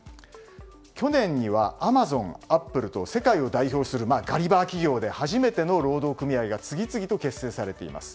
去年には、アマゾン、アップルと世界を代表するガリバー企業で初めての労働組合が次々と結成されています。